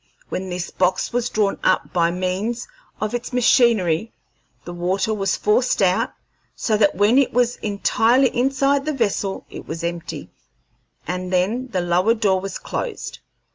When this box was drawn up by means of its machinery, the water was forced out, so that when it was entirely inside the vessel it was empty, and then the lower door was closed.